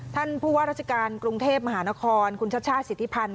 ท่านผู้ว่าราชการกรุงเทพมหานครคุณชัชชาติสิทธิพันธ์